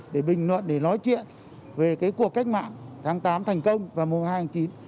để bình luận để nói chuyện về cái cuộc cách mạng tháng tám thành công và mùng hai tháng chín